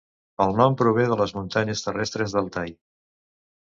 El nom prové de les muntanyes terrestres d'Altai.